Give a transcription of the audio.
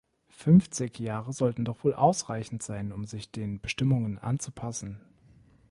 Fünfzig Jahre sollten doch wohl ausreichend sein, um sich den Bestimmungen anzupassen.